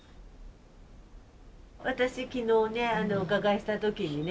私昨日ねお伺いした時にね。